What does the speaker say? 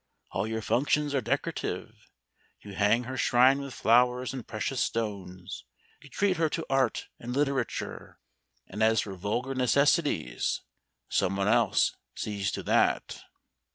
All your functions are decorative, you hang her shrine with flowers and precious stones. You treat her to art and literature, and as for vulgar necessities some one else sees to that."